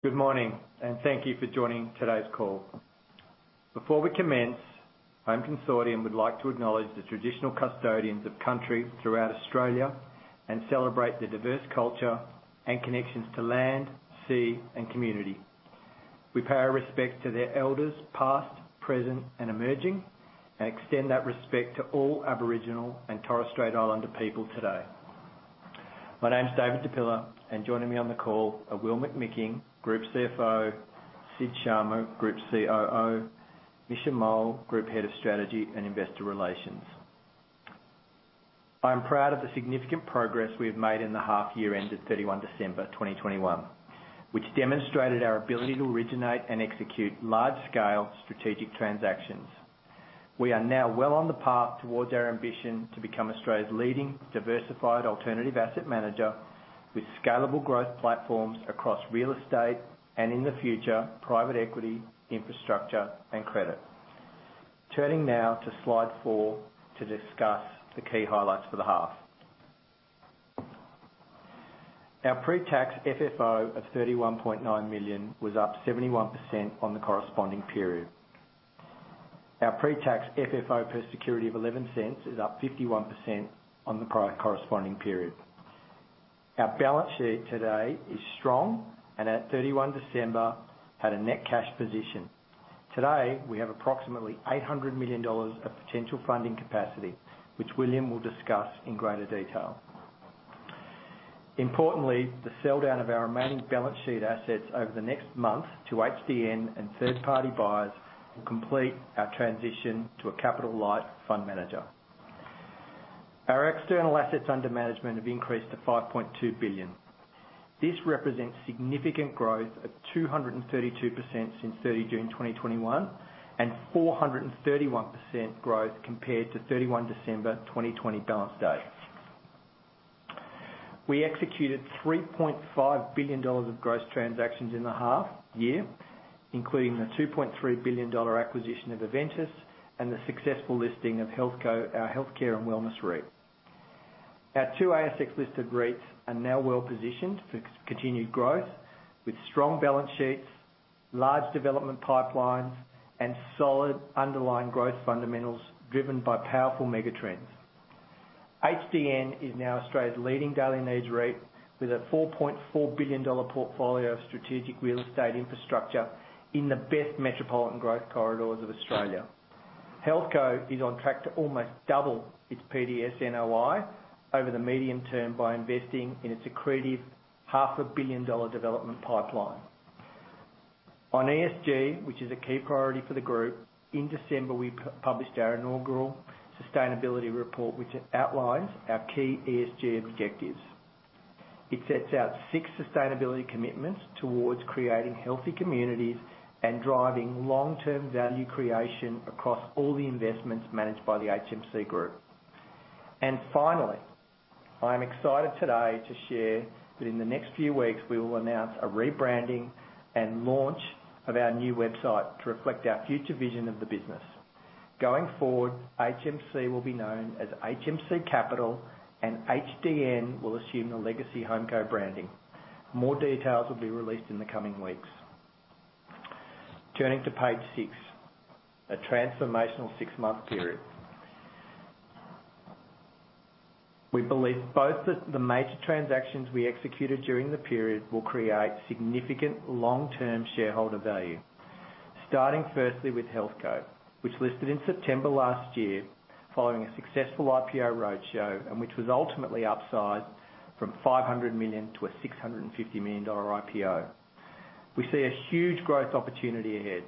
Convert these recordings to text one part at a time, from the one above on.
Good morning, and thank you for joining today's call. Before we commence, Home Consortium would like to acknowledge the traditional custodians of country throughout Australia and celebrate the diverse culture and connections to land, sea, and community. We pay our respects to their elders past, present, and emerging, and extend that respect to all Aboriginal and Torres Strait Islander people today. My name is David Di Pilla, and joining me on the call are Will McMicking, Group CFO, Sid Sharma, Group COO, Misha Mohl, Group Head of Strategy and Investor Relations. I am proud of the significant progress we have made in the half year ended 31 December 2021, which demonstrated our ability to originate and execute large-scale strategic transactions. We are now well on the path towards our ambition to become Australia's leading diversified alternative asset manager with scalable growth platforms across real estate and in the future, private equity, infrastructure, and credit. Turning now to slide four to discuss the key highlights for the half. Our pre-tax FFO of 31.9 million was up 71% on the corresponding period. Our pre-tax FFO per security of 0.11 is up 51% on the prior corresponding period. Our balance sheet today is strong, and at 31 December, had a net cash position. Today, we have approximately 800 million dollars of potential funding capacity, which Will will discuss in greater detail. Importantly, the sell down of our remaining balance sheet assets over the next month to HDN and third party buyers will complete our transition to a capital light fund manager. Our external assets under management have increased to 5.2 billion. This represents significant growth at 232% since 30 June 2021 and 431% growth compared to 31 December 2020 balance date. We executed 3.5 billion dollars of gross transactions in the half year, including the 2.3 billion dollar acquisition of Aventus and the successful listing of HealthCo, our healthcare and wellness REIT. Our two ASX listed REITs are now well-positioned for continued growth with strong balance sheets, large development pipelines, and solid underlying growth fundamentals driven by powerful mega trends. HDN is now Australia's leading daily needs REIT with a 4.4 billion dollar portfolio of strategic real estate infrastructure in the best metropolitan growth corridors of Australia. HealthCo is on track to almost double its PDS NOI over the medium term by investing in an accretive half a billion-dollar development pipeline. On ESG, which is a key priority for the group, in December, we published our inaugural sustainability report, which outlines our key ESG objectives. It sets out six sustainability commitments towards creating healthy communities and driving long-term value creation across all the investments managed by the HMC group. Finally, I am excited today to share that in the next few weeks, we will announce a rebranding and launch of our new website to reflect our future vision of the business. Going forward, HMC will be known as HMC Capital, and HDN will assume the legacy HomeCo branding. More details will be released in the coming weeks. Turning to page six, a transformational six-month period. We believe both the major transactions we executed during the period will create significant long-term shareholder value. Starting firstly with HealthCo, which listed in September last year, following a successful IPO roadshow, and which was ultimately upsized from 500 million to 650 million dollar IPO. We see a huge growth opportunity ahead.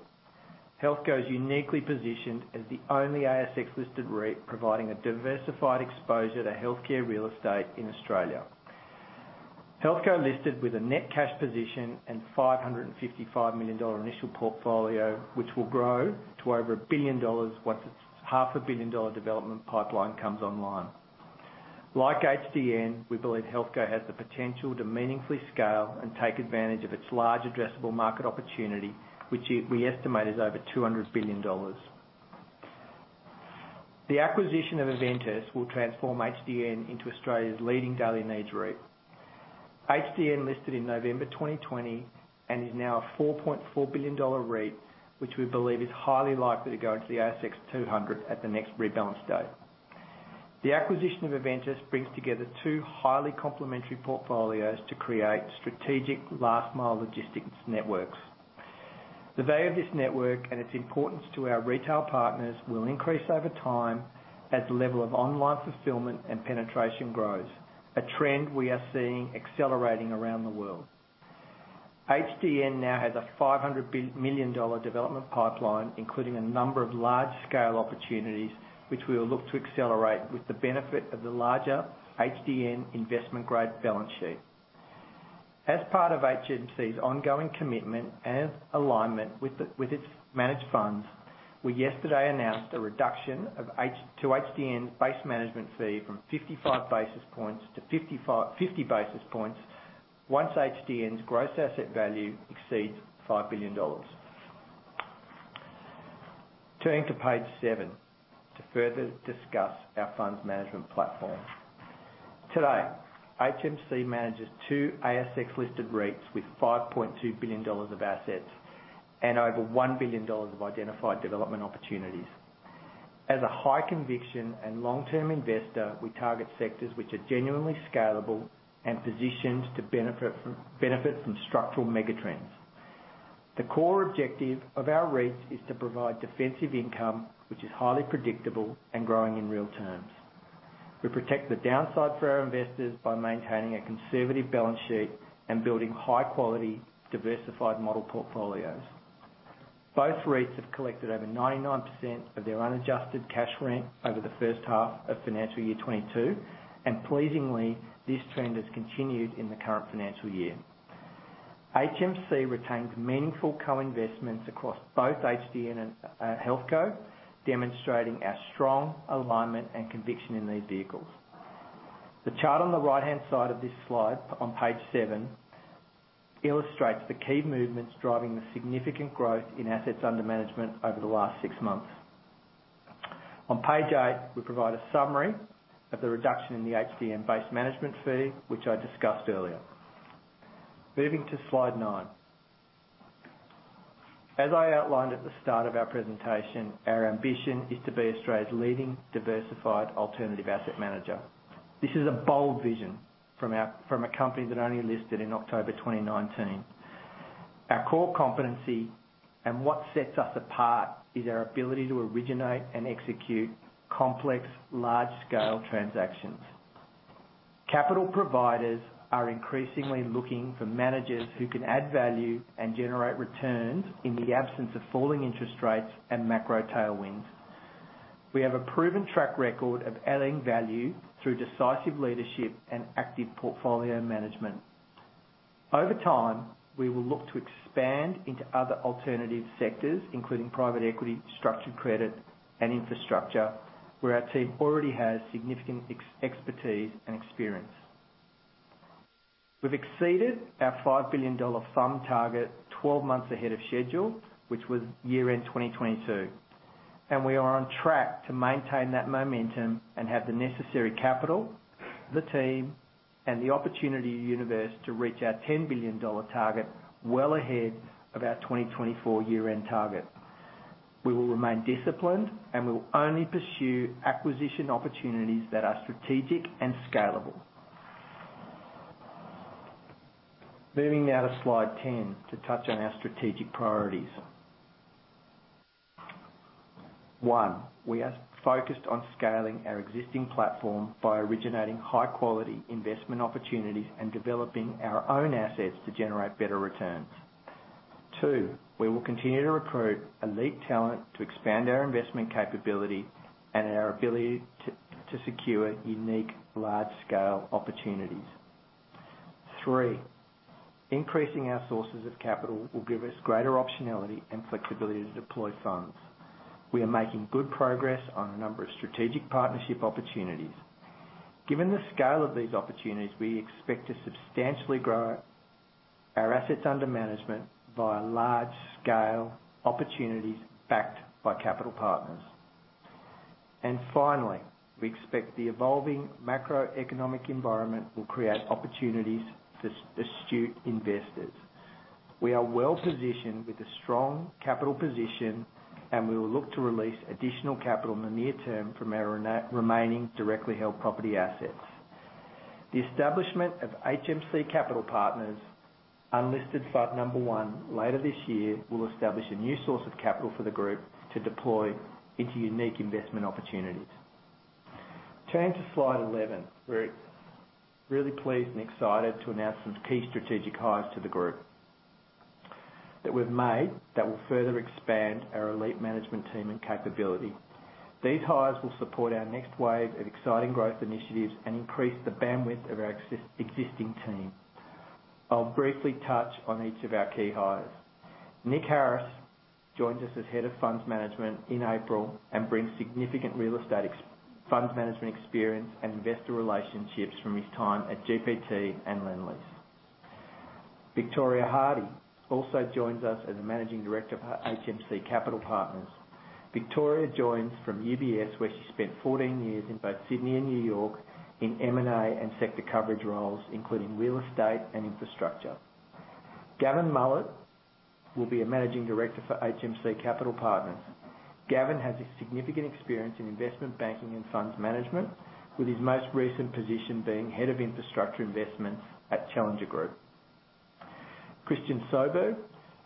HealthCo is uniquely positioned as the only ASX-listed REIT, providing a diversified exposure to healthcare real estate in Australia. HealthCo listed with a net cash position and 555 million dollar initial portfolio, which will grow to over 1 billion dollars once its half a billion-dollar development pipeline comes online. Like HDN, we believe HealthCo has the potential to meaningfully scale and take advantage of its large addressable market opportunity, which we estimate is over 200 billion dollars. The acquisition of Aventus will transform HDN into Australia's leading daily needs REIT. HDN listed in November 2020 and is now a 4.4 billion dollar REIT, which we believe is highly likely to go into the ASX 200 at the next rebalance date. The acquisition of Aventus brings together two highly complementary portfolios to create strategic last mile logistics networks. The value of this network and its importance to our retail partners will increase over time as the level of online fulfillment and penetration grows, a trend we are seeing accelerating around the world. HDN now has a 500 million dollar development pipeline, including a number of large scale opportunities, which we will look to accelerate with the benefit of the larger HDN investment-grade balance sheet. As part of HMC's ongoing commitment and alignment with its managed funds, we yesterday announced a reduction of HDN's base management fee from 55 basis points to 50 basis points once HDN's gross asset value exceeds 5 billion dollars. Turning to page seven to further discuss our funds management platform. Today, HMC manages two ASX listed REITs with 5.2 billion dollars of assets and over 1 billion dollars of identified development opportunities. As a high conviction and long-term investor, we target sectors which are genuinely scalable and positioned to benefit from structural mega trends. The core objective of our REITs is to provide defensive income, which is highly predictable and growing in real terms. We protect the downside for our investors by maintaining a conservative balance sheet and building high quality, diversified model portfolios. Both REITs have collected over 99% of their unadjusted cash rent over the first half of financial year 2022, and pleasingly, this trend has continued in the current financial year. HMC retains meaningful co-investments across both HDN and HealthCo, demonstrating our strong alignment and conviction in these vehicles. The chart on the right-hand side of this slide on page seven illustrates the key movements driving the significant growth in assets under management over the last six months. On page eight, we provide a summary of the reduction in the HDN base management fee, which I discussed earlier. Moving to slide nine. As I outlined at the start of our presentation, our ambition is to be Australia's leading diversified alternative asset manager. This is a bold vision from a company that only listed in October 2019. Our core competency and what sets us apart is our ability to originate and execute complex, large-scale transactions. Capital providers are increasingly looking for managers who can add value and generate returns in the absence of falling interest rates and macro tailwinds. We have a proven track record of adding value through decisive leadership and active portfolio management. Over time, we will look to expand into other alternative sectors, including private equity, structured credit, and infrastructure, where our team already has significant expertise and experience. We've exceeded our 5 billion dollar fund target 12 months ahead of schedule, which was year-end 2022, and we are on track to maintain that momentum and have the necessary capital, the team, and the opportunity universe to reach our 10 billion dollar target well ahead of our 2024 year-end target. We will remain disciplined, and we will only pursue acquisition opportunities that are strategic and scalable. Moving now to slide 10 to touch on our strategic priorities. One, we are focused on scaling our existing platform by originating high-quality investment opportunities and developing our own assets to generate better returns. Two, we will continue to recruit elite talent to expand our investment capability and our ability to secure unique large-scale opportunities. Three, increasing our sources of capital will give us greater optionality and flexibility to deploy funds. We are making good progress on a number of strategic partnership opportunities. Given the scale of these opportunities, we expect to substantially grow our assets under management via large-scale opportunities backed by capital partners. Finally, we expect the evolving macroeconomic environment will create opportunities for astute investors. We are well-positioned with a strong capital position, and we will look to release additional capital in the near term from our remaining directly held property assets. The establishment of HMC Capital Partners, unlisted fund number one, later this year, will establish a new source of capital for the group to deploy into unique investment opportunities. Turning to slide 11. We're really pleased and excited to announce some key strategic hires to the group that we've made that will further expand our elite management team and capability. These hires will support our next wave of exciting growth initiatives and increase the bandwidth of our existing team. I'll briefly touch on each of our key hires. Nick Harris joined us as Head of Funds Management in April and brings significant real estate ex-funds management experience and investor relationships from his time at GPT and Lendlease. Victoria Hardie also joins us as a Managing Director of HMC Capital Partners. Victoria joins from UBS, where she spent 14 years in both Sydney and New York in M&A and sector coverage roles, including real estate and infrastructure. Gavin Mullet will be a Managing Director for HMC Capital Partners. Gavin has significant experience in investment banking and funds management, with his most recent position being head of infrastructure investment at Challenger Group. Christian Soberg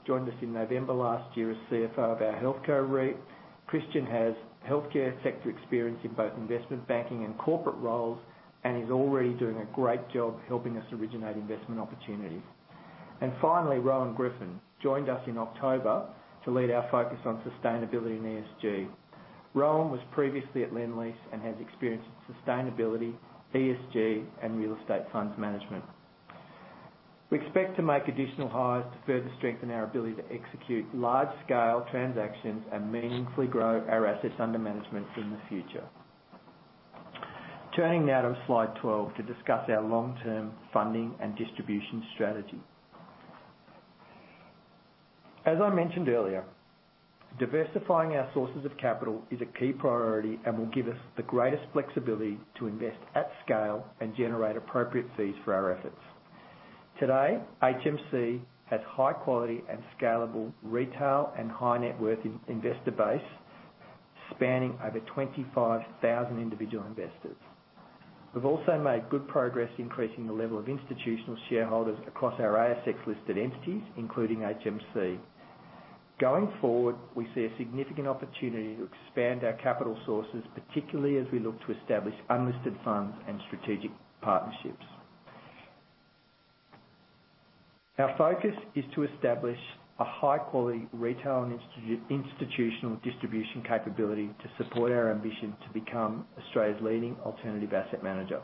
joined us in November last year as CFO of our HealthCo REIT. Christian has healthcare sector experience in both investment banking and corporate roles and is already doing a great job helping us originate investment opportunities. Finally, Rowan Griffin joined us in October to lead our focus on sustainability and ESG. Rowan was previously at Lendlease and has experience in sustainability, ESG, and real estate funds management. We expect to make additional hires to further strengthen our ability to execute large-scale transactions and meaningfully grow our assets under management in the future. Turning now to slide 12 to discuss our long-term funding and distribution strategy. As I mentioned earlier, diversifying our sources of capital is a key priority and will give us the greatest flexibility to invest at scale and generate appropriate fees for our efforts. Today, HMC has high quality and scalable retail and high net worth investor base spanning over 25,000 individual investors. We've also made good progress increasing the level of institutional shareholders across our ASX-listed entities, including HMC. Going forward, we see a significant opportunity to expand our capital sources, particularly as we look to establish unlisted funds and strategic partnerships. Our focus is to establish a high-quality retail and institutional distribution capability to support our ambition to become Australia's leading alternative asset manager.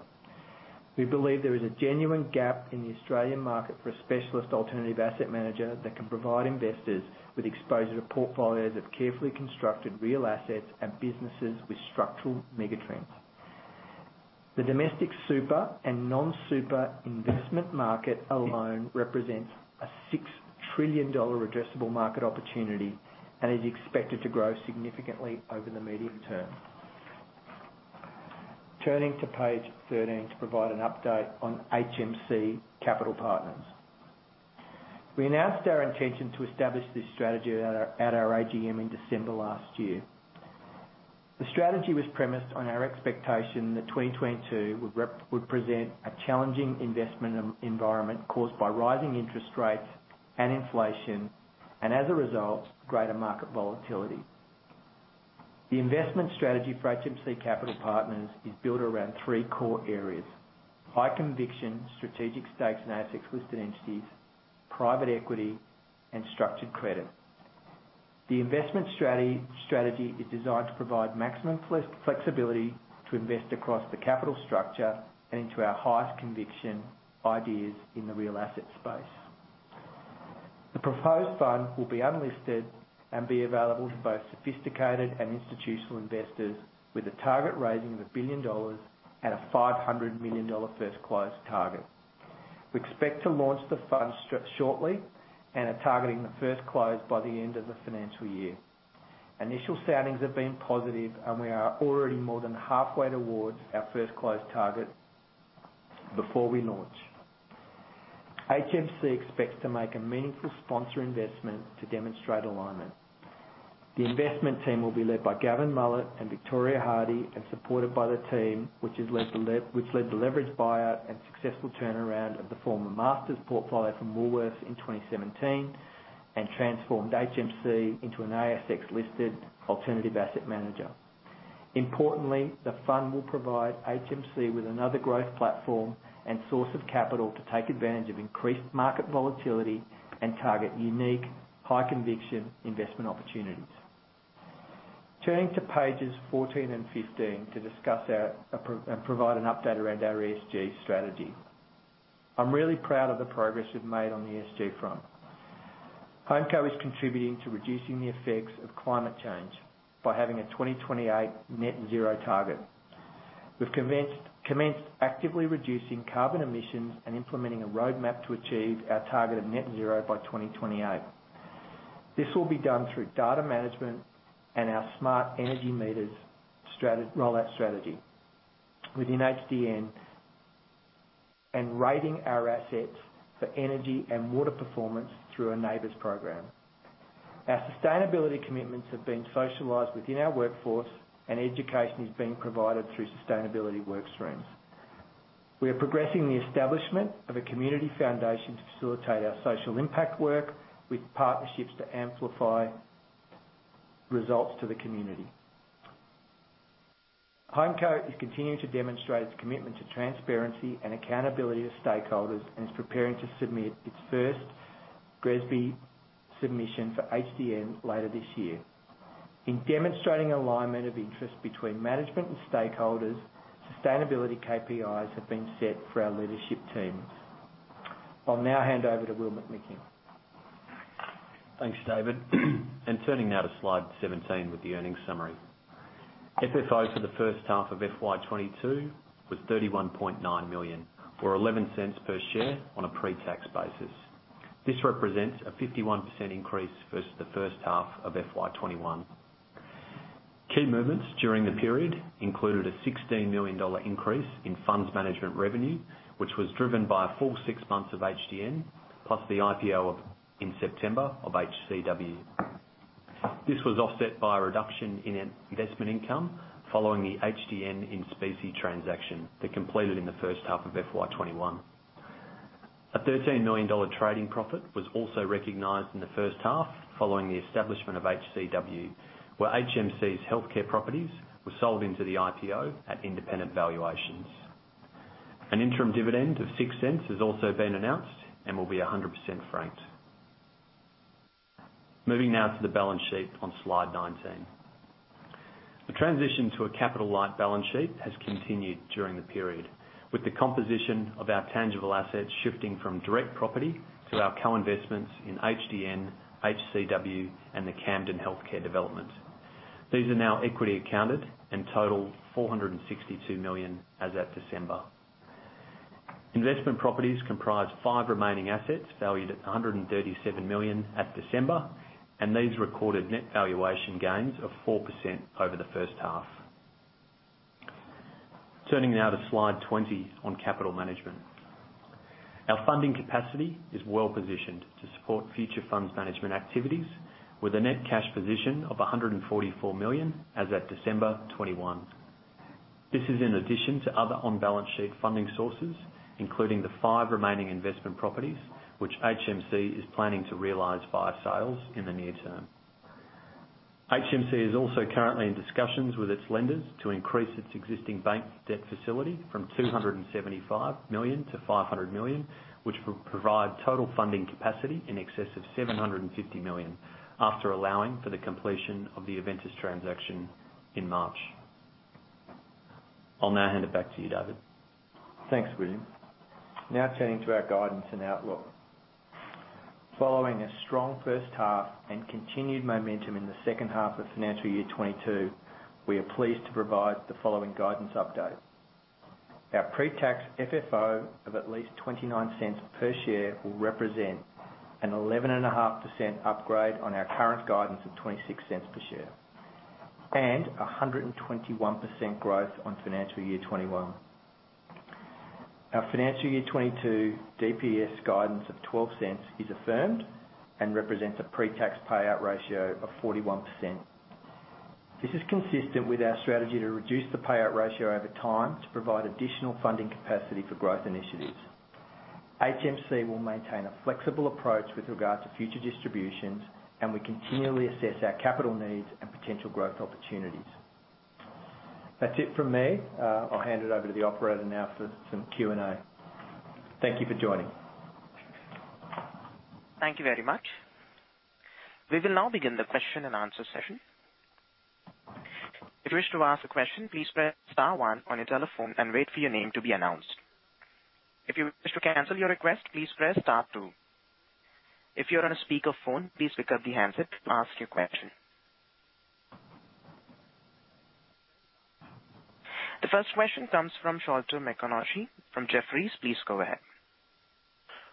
We believe there is a genuine gap in the Australian market for a specialist alternative asset manager that can provide investors with exposure to portfolios of carefully constructed real assets and businesses with structural megatrends. The domestic super and non-super investment market alone represents a 6 trillion dollar addressable market opportunity and is expected to grow significantly over the medium term. Turning to page 13 to provide an update on HMC Capital Partners. We announced our intention to establish this strategy at our AGM in December last year. The strategy was premised on our expectation that 2022 would present a challenging investment environment caused by rising interest rates and inflation, and as a result, greater market volatility. The investment strategy for HMC Capital Partners is built around three core areas, high conviction, strategic stakes in ASX listed entities, private equity, and structured credit. The investment strategy is designed to provide maximum flexibility to invest across the capital structure and into our highest conviction ideas in the real asset space. The proposed fund will be unlisted and be available to both sophisticated and institutional investors with a target raising of 1 billion dollars at a 500 million dollar first close target. We expect to launch the fund shortly and are targeting the first close by the end of the financial year. Initial soundings have been positive, and we are already more than halfway towards our first close target before we launch. HMC expects to make a meaningful sponsor investment to demonstrate alignment. The investment team will be led by Gavin Mullet and Victoria Hardie and supported by the team, which led the leveraged buyout and successful turnaround of the former Masters portfolio from Woolworths in 2017, and transformed HMC into an ASX-listed alternative asset manager. Importantly, the fund will provide HMC with another growth platform and source of capital to take advantage of increased market volatility and target unique, high conviction investment opportunities. Turning to pages 14 and 15 to discuss our progress and provide an update around our ESG strategy. I'm really proud of the progress we've made on the ESG front. HomeCo is contributing to reducing the effects of climate change by having a 2028 net zero target. We've commenced actively reducing carbon emissions and implementing a roadmap to achieve our target of net zero by 2028. This will be done through data management and our smart energy meters rollout strategy within HDN, and rating our assets for energy and water performance through our NABERS program. Our sustainability commitments have been socialized within our workforce, and education is being provided through sustainability work streams. We are progressing the establishment of a community foundation to facilitate our social impact work with partnerships to amplify results to the community. HomeCo is continuing to demonstrate its commitment to transparency and accountability to stakeholders and is preparing to submit its first GRESB submission for HDN later this year. In demonstrating alignment of interest between management and stakeholders, sustainability KPIs have been set for our leadership teams. I'll now hand over to Will McMicking. Thanks, David. Turning now to slide 17 with the earnings summary. FFO for the first half of FY 2022 was 31.9 million or 0.11 per share on a pre-tax basis. This represents a 51% increase versus the first half of FY 2021. Key movements during the period included an 16 million dollar increase in funds management revenue, which was driven by a full six months of HDN plus the IPO of, in September, of HCW. This was offset by a reduction in investment income following the HDN in-specie transaction that completed in the first half of FY 2021. An AUD 13 million trading profit was also recognized in the first half following the establishment of HCW, where HMC's healthcare properties were sold into the IPO at independent valuations. An interim dividend of 0.06 has also been announced and will be 100% franked. Moving now to the balance sheet on slide 19. The transition to a capital-light balance sheet has continued during the period. With the composition of our tangible assets shifting from direct property to our co-investments in HDN, HCW, and the Camden healthcare development. These are now equity accounted and total 462 million as at December. Investment properties comprise five remaining assets valued at 137 million at December, and these recorded net valuation gains of 4% over the first half. Turning now to slide 20 on capital management. Our funding capacity is well-positioned to support future funds management activities with a net cash position of 144 million as at December 2021. This is in addition to other on-balance sheet funding sources, including the five remaining investment properties, which HMC is planning to realize via sales in the near term. HMC is also currently in discussions with its lenders to increase its existing bank debt facility from 275 million to 500 million, which will provide total funding capacity in excess of 750 million after allowing for the completion of the Aventus transaction in March. I'll now hand it back to you, David. Thanks, William. Now turning to our guidance and outlook. Following a strong first half and continued momentum in the second half of financial year 2022, we are pleased to provide the following guidance update. Our pre-tax FFO of at least 0.29 per share will represent an 11.5% upgrade on our current guidance of 0.26 per share and a 121% growth on financial year 2021. Our financial year 2022 DPS guidance of 0.12 is affirmed and represents a pre-tax payout ratio of 41%. This is consistent with our strategy to reduce the payout ratio over time to provide additional funding capacity for growth initiatives. HMC will maintain a flexible approach with regard to future distributions, and we continually assess our capital needs and potential growth opportunities. That's it from me. I'll hand it over to the operator now for some Q&A. Thank you for joining. Thank you very much. We will now begin the question and answer session. If you wish to ask a question, please press star one on your telephone and wait for your name to be announced. If you wish to cancel your request, please press star two. If you're on a speakerphone, please pick up the handset to ask your question. The first question comes from Sholto Maconochie from Jefferies. Please go ahead.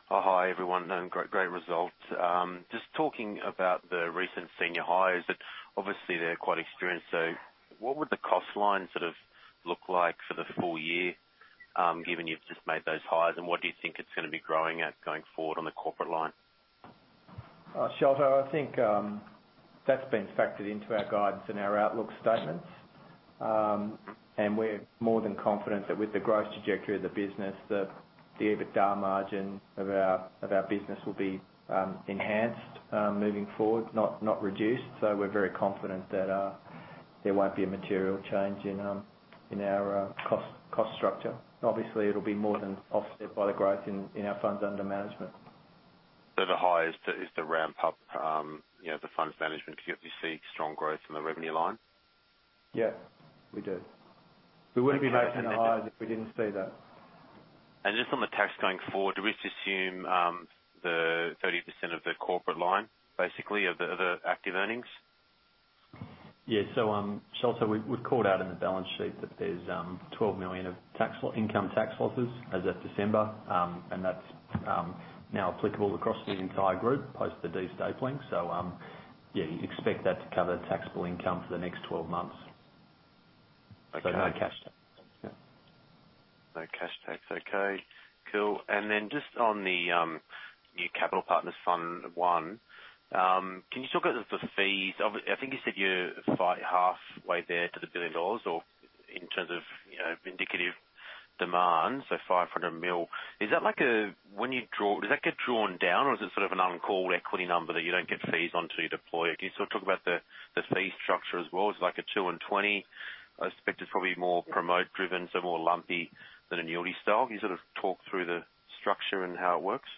Oh, hi, everyone. Great results. Just talking about the recent senior hires that obviously they're quite experienced. What would the cost line sort of look like for the full year, given you've just made those hires, and what do you think it's gonna be growing at going forward on the corporate line? Sholto, I think that's been factored into our guidance and our outlook statements. We're more than confident that with the growth trajectory of the business, that the EBITDA margin of our business will be enhanced moving forward, not reduced. We're very confident that there won't be a material change in our cost structure. Obviously, it'll be more than offset by the growth in our funds under management. The hire is to ramp up, you know, the funds management because you obviously see strong growth in the revenue line. Yeah, we do. We wouldn't be making the hire if we didn't see that. Just on the tax going forward, do we just assume 30% of the corporate line, basically, of the active earnings? Sholto, we've called out in the balance sheet that there's 12 million of income tax losses as of December. That's now applicable across the entire group post the de-stapling. Yeah, you expect that to cover taxable income for the next 12 months. Okay. No cash there. Yeah. No cash tax. Okay, cool. Just on the new HMC Capital Partners Fund I, can you talk about the fees? I think you said you're about halfway there to 1 billion dollars or in terms of, you know, indicative demand, so 500 million. Is that like a when you draw does that get drawn down or is it sort of an uncalled equity number that you don't get fees on till you deploy? Can you sort of talk about the fee structure as well? Is it like a two and 20? I expect it's probably more promote driven, so more lumpy than a yearly style. Can you sort of talk through the structure and how it works?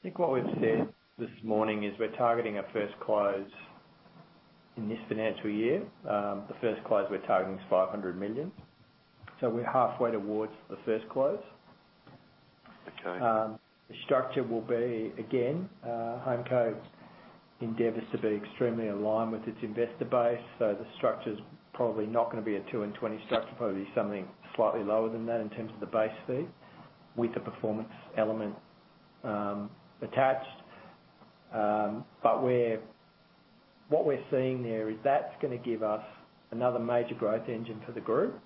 I think what we've said this morning is we're targeting our first close in this financial year. The first close we're targeting is 500 million. We're halfway towards the first close. Okay. The structure will be, again, HomeCo endeavors to be extremely aligned with its investor base. The structure's probably not gonna be a two and 20 structure, probably something slightly lower than that in terms of the base fee with the performance element attached. What we're seeing there is that's gonna give us another major growth engine for the group,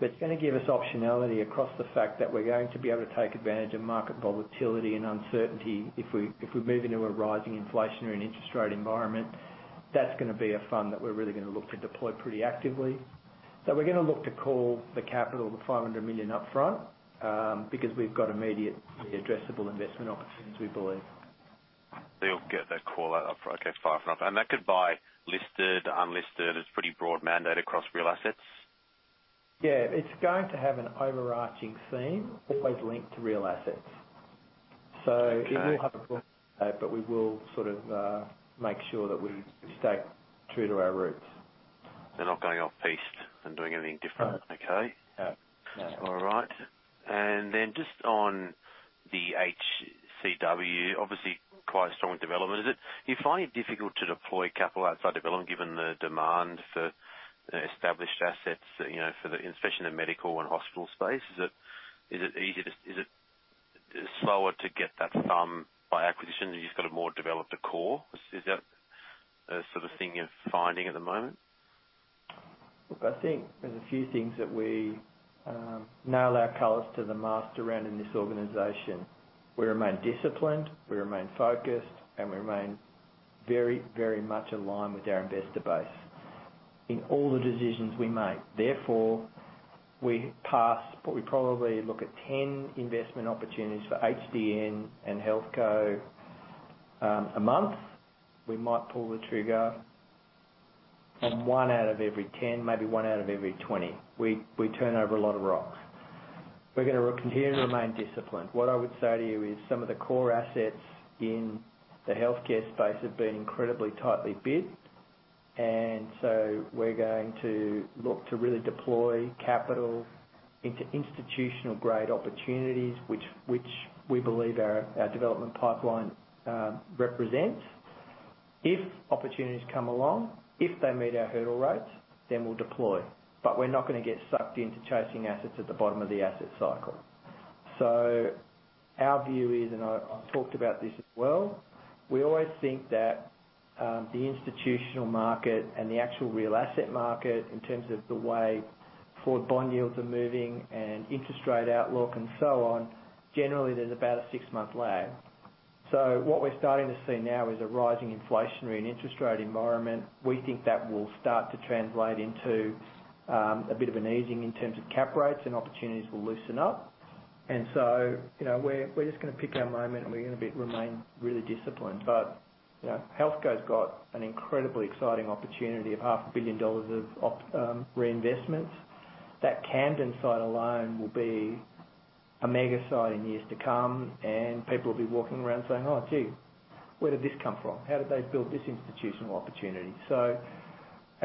that's gonna give us optionality across the fact that we're going to be able to take advantage of market volatility and uncertainty if we move into a rising inflationary and interest rate environment. That's gonna be a fund that we're really gonna look to deploy pretty actively. We're gonna look to call the capital, the 500 million up front, because we've got immediate addressable investment opportunities, we believe. You'll get that call out up front. Okay. 500. That could buy listed, unlisted. It's pretty broad mandate across real assets. Yeah. It's going to have an overarching theme always linked to real assets. We will sort of make sure that we stay true to our roots. Not going off-piste and doing anything different. No. Okay. No. All right. Just on the HCW, obviously quite a strong development. Do you find it difficult to deploy capital outside development, given the demand for established assets, you know, especially in the medical and hospital space? Is it slower to get that done by acquisition, and you've just got a more developed core? Is that a sort of thing you're finding at the moment? Look, I think there's a few things that we nail our colors to the mast around in this organization. We remain disciplined, we remain focused, and we remain very, very much aligned with our investor base in all the decisions we make. Therefore, we pass on what we probably look at 10 investment opportunities for HDN and HealthCo a month. We might pull the trigger on one out of every 10, maybe one out of every 20. We turn over a lot of rocks. We're gonna continue and remain disciplined. What I would say to you is some of the core assets in the healthcare space have been incredibly tightly bid. We're going to look to really deploy capital into institutional-grade opportunities, which we believe our development pipeline represents. If opportunities come along, if they meet our hurdle rates, then we'll deploy. We're not gonna get sucked into chasing assets at the bottom of the asset cycle. Our view is, and I've talked about this as well, we always think that the institutional market and the actual real asset market in terms of the way forward bond yields are moving and interest rate outlook and so on, generally there's about a six-month lag. What we're starting to see now is a rising inflationary and interest rate environment. We think that will start to translate into a bit of an easing in terms of cap rates and opportunities will loosen up. You know, we're just gonna pick our moment and we're gonna remain really disciplined. You know, HealthCo's got an incredibly exciting opportunity of AUD half a billion dollars of reinvestments. That Camden site alone will be a mega site in years to come, and people will be walking around saying, "Oh, gee, where did this come from? How did they build this institutional opportunity?"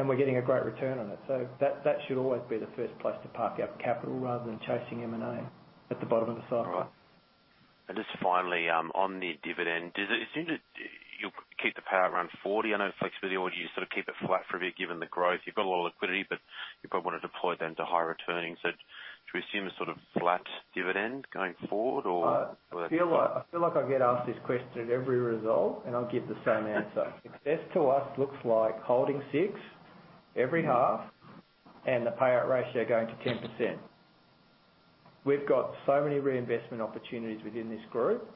We're getting a great return on it. That should always be the first place to park our capital rather than chasing M&A at the bottom of the cycle. Just finally, on the dividend, does it seem that you'll keep the payout around 40. I know there's flexibility, or do you sort of keep it flat for a bit given the growth? You've got a lot of liquidity, but you probably wanna deploy them to higher returning. Should we assume a sort of flat dividend going forward or? I feel like I get asked this question at every result, and I'll give the same answer. Success to us looks like holding six every half and the payout ratio going to 10%. We've got so many reinvestment opportunities within this group,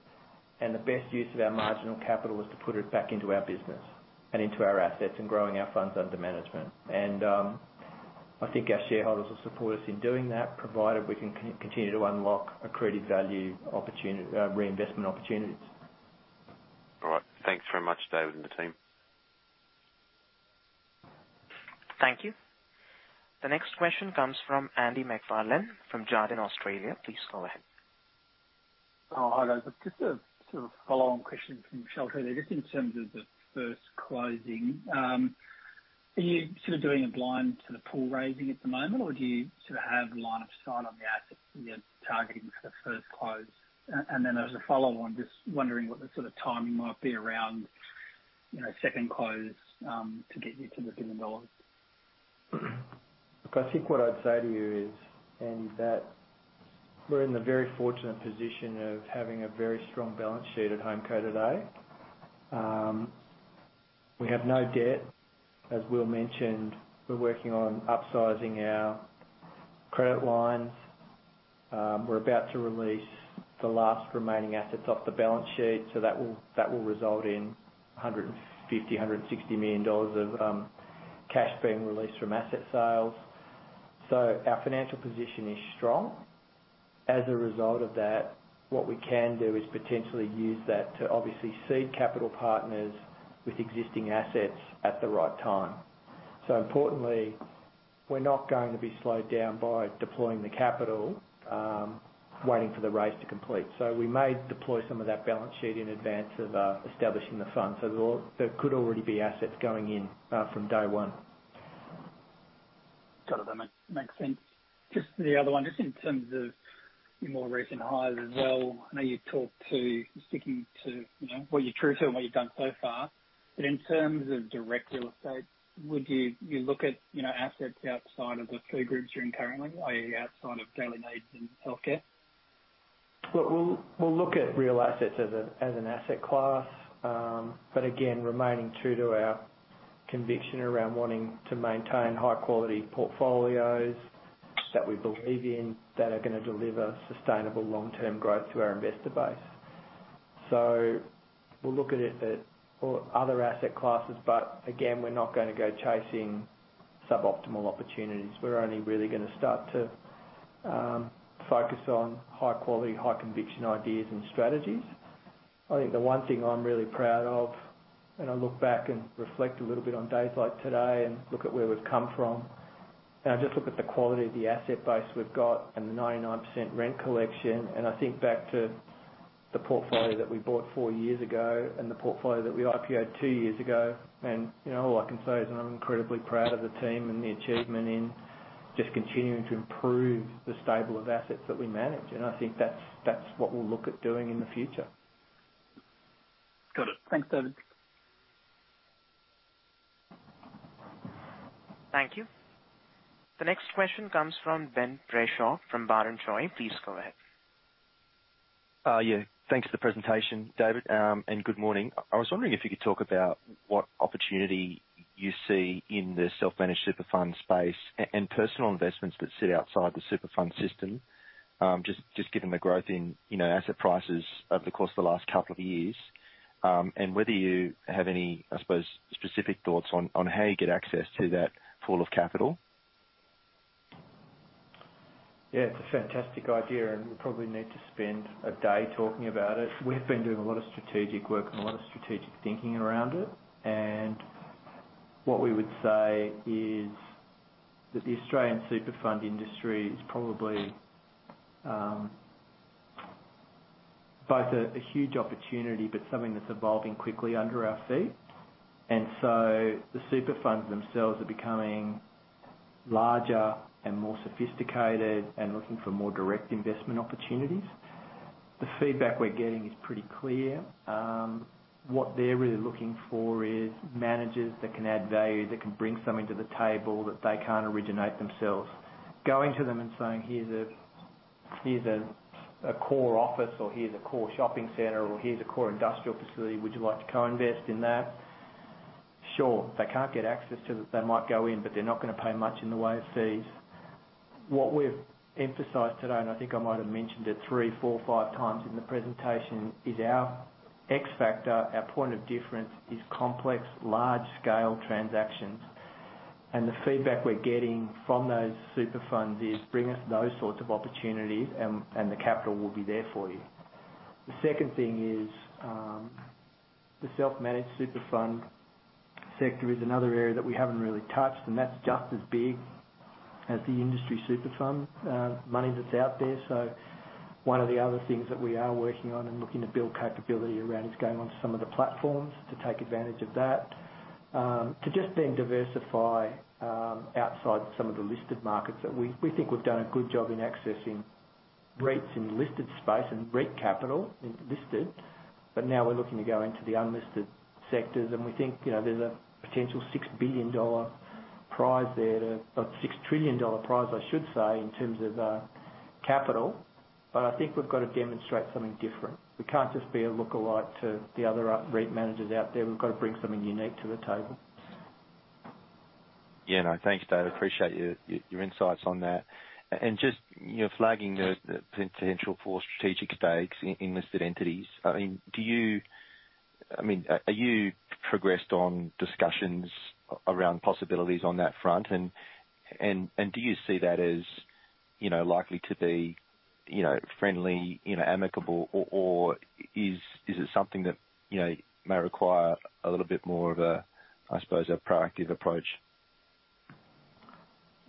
and the best use of our marginal capital is to put it back into our business and into our assets and growing our funds under management. I think our shareholders will support us in doing that, provided we can continue to unlock accretive value reinvestment opportunities. All right. Thanks very much, David and the team. Thank you. The next question comes from Andrew MacFarlane from Jarden Australia. Please go ahead. Oh, hi guys. Just a sort of follow-on question from Sholto there. Just in terms of the first closing, are you sort of doing a blind sort of pool raising at the moment, or do you sort of have line of sight on the assets you're targeting for the first close? Then as a follow-on, just wondering what the sort of timing might be around, you know, second close, to get you to 1 billion dollars. Look, I think what I'd say to you is, Andy, that we're in the very fortunate position of having a very strong balance sheet at HomeCo today. We have no debt. As Will mentioned, we're working on upsizing our credit lines. We're about to release the last remaining assets off the balance sheet, so that will result in 150-160 million dollars of cash being released from asset sales. Our financial position is strong. As a result of that, what we can do is potentially use that to obviously seed capital partners with existing assets at the right time. Importantly, we're not going to be slowed down by deploying the capital waiting for the raise to complete. We may deploy some of that balance sheet in advance of establishing the fund. There could already be assets going in from day one. Got it. That makes sense. Just the other one, just in terms of your more recent hires as well, I know you talked about sticking to, you know, what you're true to and what you've done so far. But in terms of direct real estate, would you look at, you know, assets outside of the two groups you're in currently, i.e., outside of daily needs and healthcare? Look, we'll look at real assets as an asset class. Remaining true to our conviction around wanting to maintain high-quality portfolios that we believe in that are gonna deliver sustainable long-term growth to our investor base. We'll look at it or other asset classes, but again, we're not gonna go chasing suboptimal opportunities. We're only really gonna start to focus on high quality, high conviction ideas and strategies. I think the one thing I'm really proud of. I look back and reflect a little bit on days like today and look at where we've come from. I just look at the quality of the asset base we've got and the 99% rent collection, and I think back to the portfolio that we bought four years ago and the portfolio that we IPOed two years ago. You know, all I can say is that I'm incredibly proud of the team and the achievement in just continuing to improve the stable of assets that we manage. I think that's what we'll look at doing in the future. Got it. Thanks, David. Thank you. The next question comes from Ben Brayshaw from Barrenjoey. Please go ahead. Yeah. Thanks for the presentation, David, and good morning. I was wondering if you could talk about what opportunity you see in the self-managed super fund space and personal investments that sit outside the super fund system, just given the growth in, you know, asset prices over the course of the last couple of years, and whether you have any, I suppose, specific thoughts on how you get access to that pool of capital. Yeah, it's a fantastic idea, and we probably need to spend a day talking about it. We've been doing a lot of strategic work and a lot of strategic thinking around it, and what we would say is that the Australian Super Fund industry is probably both a huge opportunity, but something that's evolving quickly under our feet. The super funds themselves are becoming larger and more sophisticated and looking for more direct investment opportunities. The feedback we're getting is pretty clear. What they're really looking for is managers that can add value, that can bring something to the table that they can't originate themselves. Going to them and saying, "Here's a core office," or, "Here's a core shopping center," or, "Here's a core industrial facility, would you like to co-invest in that?" Sure. They can't get access to it. They might go in, but they're not gonna pay much in the way of fees. What we've emphasized today, and I think I might have mentioned it three, four, five times in the presentation, is our X factor, our point of difference is complex, large-scale transactions. The feedback we're getting from those super funds is, "Bring us those sorts of opportunities and the capital will be there for you." The second thing is, the self-managed super fund sector is another area that we haven't really touched, and that's just as big as the industry super fund money that's out there. One of the other things that we are working on and looking to build capability around is going on to some of the platforms to take advantage of that, to just then diversify outside some of the listed markets that we... We think we've done a good job in accessing REITs in the listed space and REIT capital in listed, but now we're looking to go into the unlisted sectors, and we think, you know, there's a potential 6 trillion dollar prize, I should say, in terms of capital, but I think we've got to demonstrate something different. We can't just be a lookalike to the other REIT managers out there. We've got to bring something unique to the table. Yeah, no. Thank you, David. Appreciate your insights on that. Just, you know, flagging the potential for strategic stakes in listed entities. I mean, are you progressed on discussions around possibilities on that front? Do you see that as, you know, likely to be, you know, friendly, you know, amicable, or is it something that, you know, may require a little bit more of a, I suppose, a proactive approach?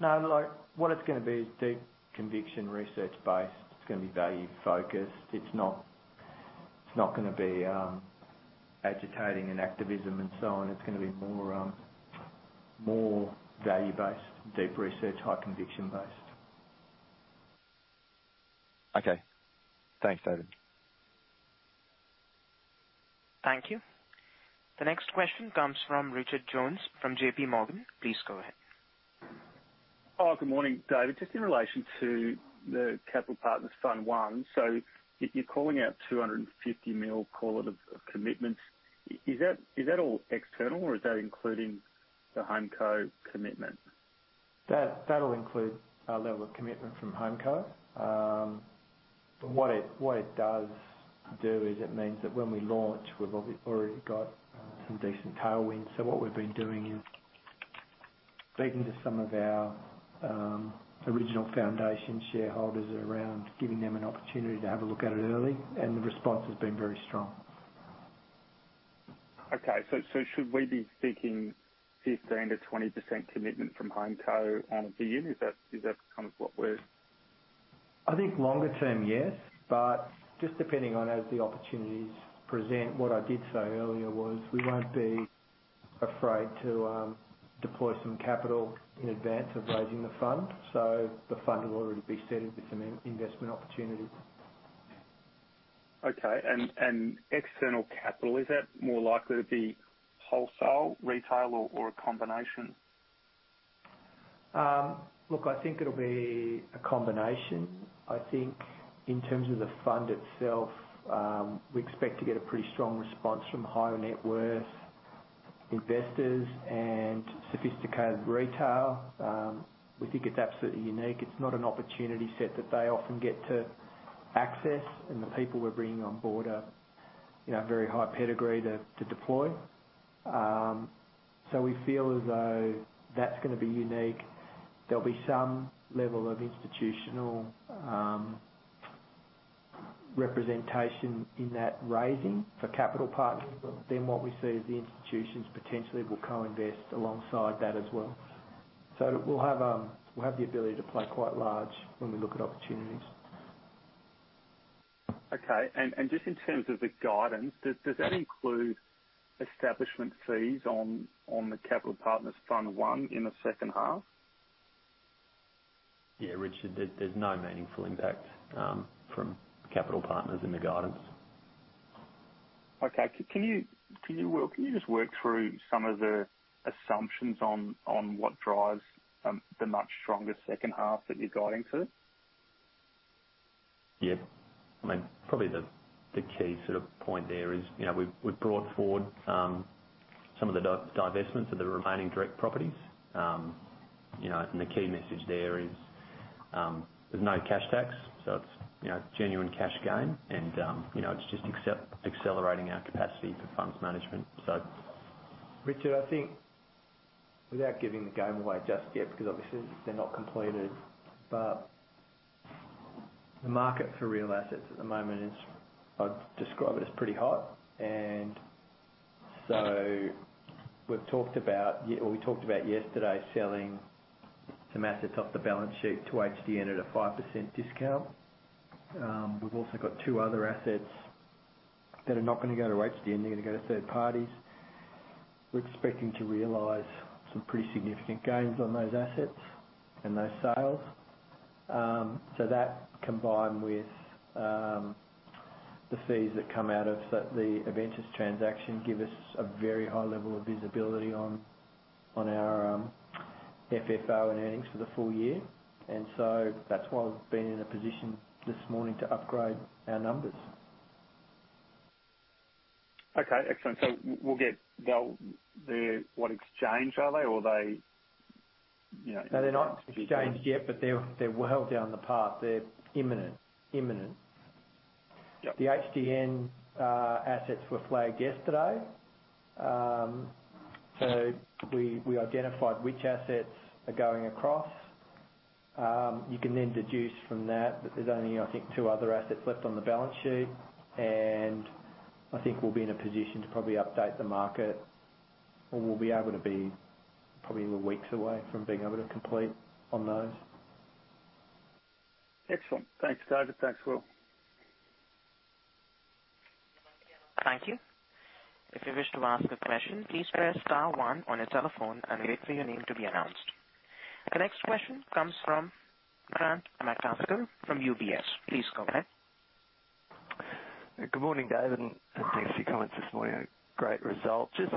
No. Look, what it's gonna be is deep conviction, research-based. It's gonna be value-focused. It's not gonna be agitating and activism and so on. It's gonna be more value-based, deep research, high conviction based. Okay. Thanks, David. Thank you. The next question comes from Richard Jones from JPMorgan. Please go ahead. Oh, good morning, David. Just in relation to the Capital Partners Fund one, you're calling out 250 million call it of commitments. Is that all external, or is that including the HomeCo commitment? That'll include our level of commitment from HomeCo. But what it does do is it means that when we launch, we've obviously already got some decent tailwinds. What we've been doing is speaking to some of our original foundation shareholders around giving them an opportunity to have a look at it early, and the response has been very strong. Okay. Should we be seeking 15%-20% commitment from HomeCo annually? Is that kind of what we're- I think longer term, yes. But just depending on as the opportunities present, what I did say earlier was we won't be afraid to deploy some capital in advance of raising the fund. The fund will already be seeded with some investment opportunities. Okay. External capital, is that more likely to be wholesale, retail, or a combination? Look, I think it'll be a combination. I think in terms of the fund itself, we expect to get a pretty strong response from high net worth investors and sophisticated retail. We think it's absolutely unique. It's not an opportunity set that they often get to access, and the people we're bringing on board are, you know, very high pedigree to deploy. So we feel as though that's gonna be unique. There'll be some level of institutional representation in that raising for Capital Partners, then what we see is the institutions potentially will co-invest alongside that as well. So we'll have the ability to play quite large when we look at opportunities. Okay. Just in terms of the guidance, does that include establishment fees on the Capital Partners Fund I in the second half? Yeah, Richard, there's no meaningful impact from Capital Partners in the guidance. Okay. Can you, Will, just work through some of the assumptions on what drives the much stronger second half that you're guiding to? Yeah. I mean, probably the key sort of point there is, you know, we've brought forward some of the divestments of the remaining direct properties. The key message there is, there's no cash tax, so it's, you know, genuine cash gain and, you know, it's just accelerating our capacity for funds management. Richard, I think without giving the game away just yet, because obviously they're not completed, but the market for real assets at the moment is, I'd describe it as pretty hot. We've talked about what we talked about yesterday, selling some assets off the balance sheet to HDN at a 5% discount. We've also got two other assets that are not gonna go to HDN, they're gonna go to third parties. We're expecting to realize some pretty significant gains on those assets and those sales. That combined with the fees that come out of the Aventus transaction give us a very high level of visibility on our FFO and earnings for the full year. That's why we've been in a position this morning to upgrade our numbers. Okay. Excellent. What exchange are they or are they, you know? No, they're not exchanged yet, but they're well down the path. They're imminent. Imminent. Yep. The HDN assets were flagged yesterday. We identified which assets are going across. You can then deduce from that that there's only, I think, two other assets left on the balance sheet. I think we'll be in a position to probably update the market, and we'll be able to be probably weeks away from being able to complete on those. Excellent. Thanks, David. Thanks, Will. Thank you. If you wish to ask a question, please press star one on your telephone and wait for your name to be announced. The next question comes from Grant McCasker from UBS. Please go ahead. Good morning, David, and thanks for your comments this morning. A great result. Just,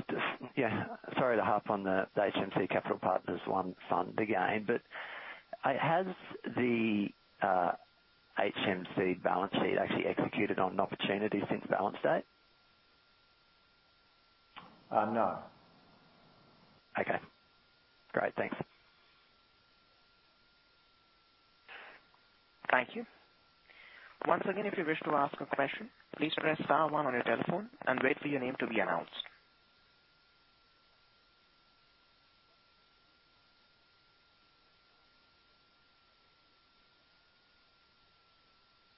yeah, sorry to harp on the HMC Capital Partners one fund again, but has the HMC balance sheet actually executed on an opportunity since balance date? No. Okay. Great. Thanks. Thank you. Once again, if you wish to ask a question, please press star one on your telephone and wait for your name to be announced.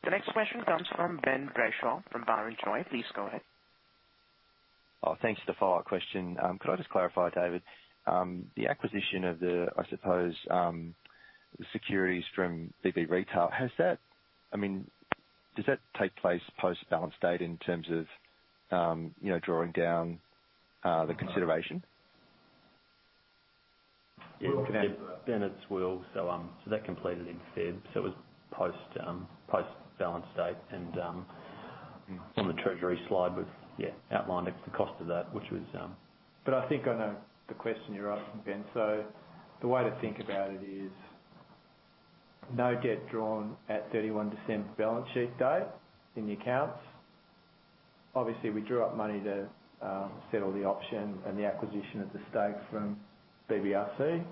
The next question comes from Ben Brayshaw from Barrenjoey. Please go ahead. Oh, thanks for the follow-up question. Could I just clarify, David, the acquisition of the, I suppose, the securities from Baby Bunting, has that, I mean, does that take place post-balance date in terms of, you know, drawing down the consideration? Yeah. Ben, it's Will. That completed in February, so it was post-balance date. On the treasury slide, we've outlined it, the cost of that, which was I think I know the question you're asking, Ben. The way to think about it is no debt drawn at 31 December balance sheet date in the accounts. Obviously, we drew down money to settle the option and the acquisition of the stake from BBRC.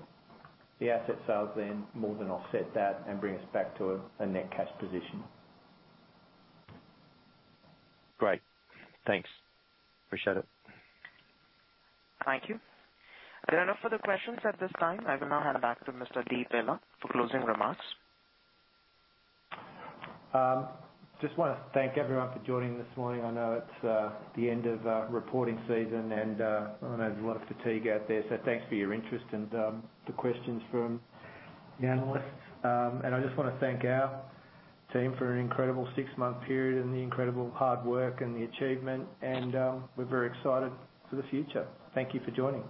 The asset sales then more than offset that and bring us back to a net cash position. Great. Thanks. Appreciate it. Thank you. There are no further questions at this time. I will now hand back to Mr. David Di Pilla for closing remarks. Just wanna thank everyone for joining this morning. I know it's the end of reporting season, and I know there's a lot of fatigue out there, so thanks for your interest and the questions from the analysts. I just wanna thank our team for an incredible six-month period and the incredible hard work and the achievement, and we're very excited for the future. Thank you for joining.